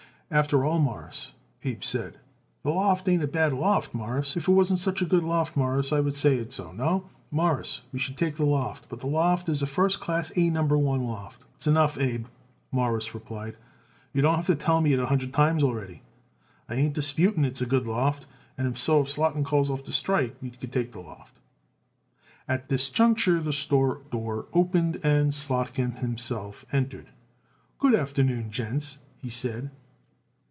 "After all, Mawruss," Abe said, "the loft ain't a bad loft, Mawruss. If it wasn't such a good loft, Mawruss, I would say it no, Mawruss, we shouldn't take the loft; but the loft is a first class A Number One loft." "S'enough, Abe," Morris replied. "You don't have to tell it me a hundred times already. I ain't disputing it's a good loft; and so if Slotkin calls off the strike we take the loft." At this juncture the store door opened and Slotkin himself entered. "Good afternoon, gents," he said.